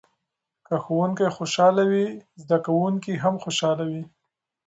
که ښوونکی خوشحاله وي زده کوونکي هم خوشحاله وي.